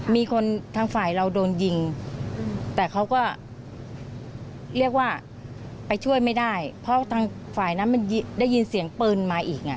มีคนทางฝ่ายเราโดนยิงแต่เขาก็เรียกว่าไปช่วยไม่ได้เพราะทางฝ่ายนั้นมันได้ยินเสียงปืนมาอีกอ่ะ